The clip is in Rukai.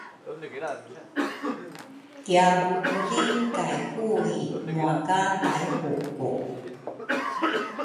kiabubuli kay Kui mua ka Taihuku.